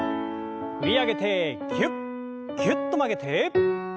振り上げてぎゅっぎゅっと曲げて。